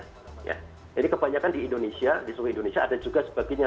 jadi kebanyakan di indonesia di suku indonesia ada juga sebagiannya